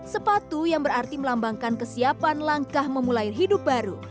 sepatu yang berarti melambangkan kesiapan langkah memulai hidup baru